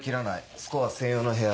スコア専用の部屋